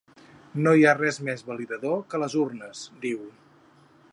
No hi ha res més validador que les urnes, diu.